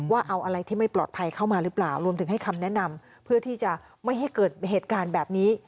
ว่าเอาอะไรที่ไม่ปลอดภัยเข้ามาหรือเปล่า